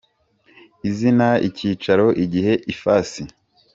Izina icyicaro igihe ifasi